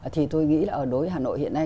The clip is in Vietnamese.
thì tôi nghĩ là đối với hà nội hiện nay